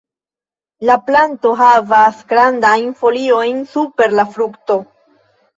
La planto havas grandajn foliojn super la frukto.